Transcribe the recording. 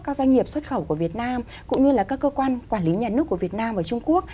các doanh nghiệp xuất khẩu của việt nam cũng như là các cơ quan quản lý nhà nước của việt nam và trung quốc